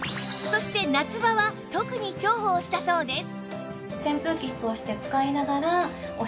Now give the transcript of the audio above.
そして夏場は特に重宝したそうです